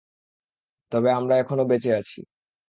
তবে, আমরা এখনও বেঁচে আছি।